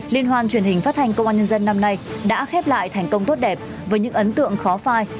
liên hoan truyền hình phát thanh công an nhân dân năm nay đã khép lại thành công tốt đẹp với những ấn tượng khó phai